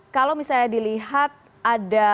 kalau misalnya dilihat ada kita pemilu di depan menteri